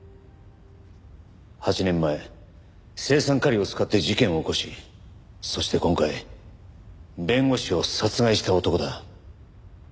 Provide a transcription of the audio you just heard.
８年前青酸カリを使って事件を起こしそして今回弁護士を殺害した男だ。